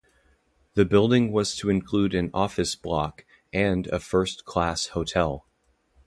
The building was to include an office block and a first class hotel.